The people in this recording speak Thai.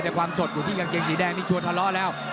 แต่ความสดอยู่ที่กางเกงสีแดงนี่ชวนทะเลาะแล้ว